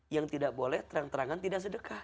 yang tidak boleh terang terangan tidak sedekah